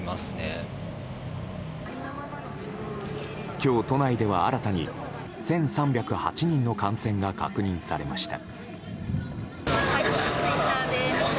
今日、都内では新たに１３０８人の感染が確認されました。